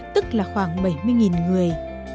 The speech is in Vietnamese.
tức là khoảng bảy mươi người